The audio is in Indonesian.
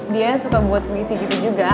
dia suka buat puisi gitu juga